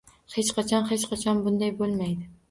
Hech qachon, hech qachon bunday bo`lmaydi